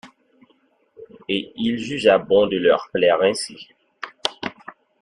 Et il jugea bon de leur plaire ainsi.